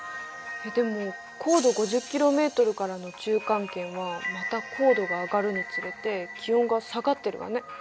でも高度５０ｋｍからの中間圏はまた高度が上がるにつれて気温が下がってるわね。